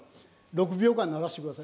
６秒間鳴らして下さい。